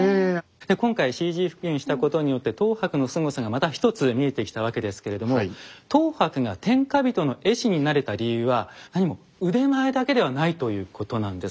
今回ＣＧ復元したことによって等伯のすごさがまた一つ見えてきたわけですけれども等伯が天下人の絵師になれた理由は何も腕前だけではないということなんです。